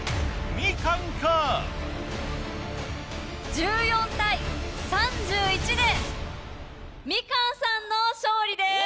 １４対３１でみかんさんの勝利です。